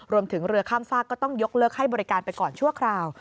รวมถึงเรือข้ามฝากก็ต้องยกเลิกให้บริการไปก่อนชั่วคราว